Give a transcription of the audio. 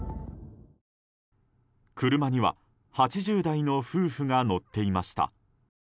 車には８０代の夫婦が乗っていました。